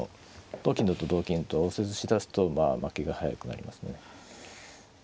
同と同金と応接しだすとまあ負けが早くなりますね。